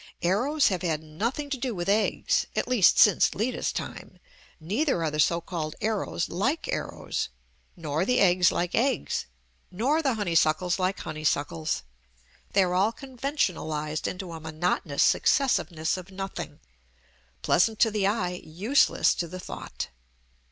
Arrows have had nothing to do with eggs (at least since Leda's time), neither are the so called arrows like arrows, nor the eggs like eggs, nor the honeysuckles like honeysuckles; they are all conventionalised into a monotonous successiveness of nothing, pleasant to the eye, useless to the thought.